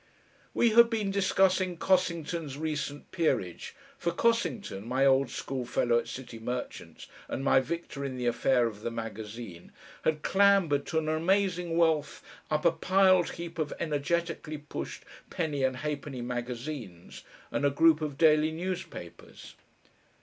We had been discussing Cossington's recent peerage, for Cossington, my old schoolfellow at City Merchants', and my victor in the affair of the magazine, had clambered to an amazing wealth up a piled heap of energetically pushed penny and halfpenny magazines, and a group of daily newspapers.